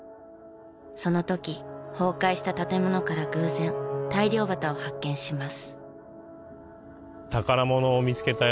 その時崩壊した建物から偶然大漁旗を発見します。